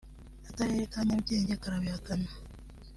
akarere ka Nyarugenge karabihakana